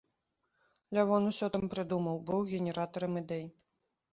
Лявон усё там прыдумаў, быў генератарам ідэй.